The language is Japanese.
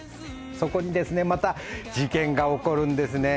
そこにまた事件が起こるんですね